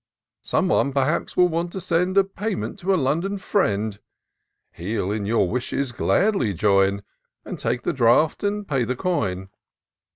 " Some one, perhaps, may want to send A payment to a London friend ; He'll in your wishes gladly join, And take the draft and pay the coin."